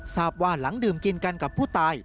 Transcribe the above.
ทราบว่าหลังดื่มกินกันกับผู้ตาย